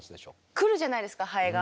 来るじゃないですかハエが。